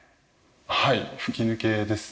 はい吹き抜けですね。